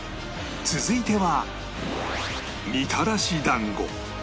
続いては